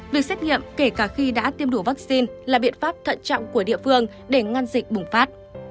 việc xét nghiệm kể cả khi đã tiêm đủ vaccine là biện pháp thận trọng của địa phương để ngăn dịch bùng phát